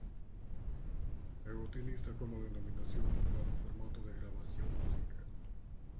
Se utiliza como denominación para un formato de grabación musical.